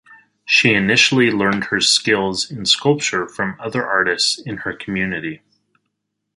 She initially learned her skills in sculpture from other artists in her community.